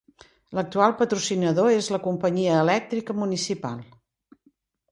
L'actual patrocinador és la Companyia Elèctrica Municipal.